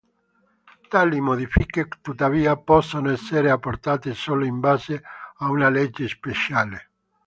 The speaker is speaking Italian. Tali modifiche, tuttavia, possono essere apportate solo in base a una legge speciale.